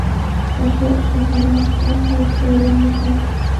Пачерже торак огыл, тиде уремыштак.